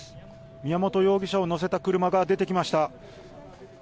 宮本容疑者を乗せた車が出てきました。